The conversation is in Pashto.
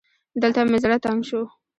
دلته مې زړه تنګ شو